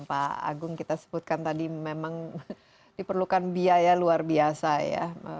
pak agung kita sebutkan tadi memang diperlukan biaya luar biasa ya